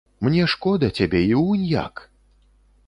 Мне шкода цябе і унь як!